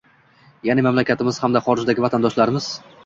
Ya’ni mamlakatimiz hamda xorijdagi vatandoshlarimiz